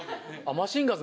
⁉マシンガンズ！